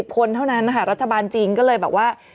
คนเท่านั้นนะคะรัฐบาลจริงก็เลยแบบว่า